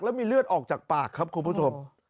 แล้วมีเลือดออกจากปากครับคุณผู้ชม